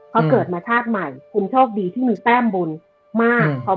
เขาเกิดมาชาติใหม่คุณโชคดีที่มีแต้มบุญมาก